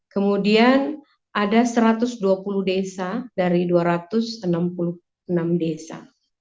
kemudian ada satu ratus dua puluh desa dari dua ratus enam puluh enam desa